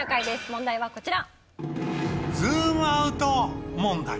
問題はこちら。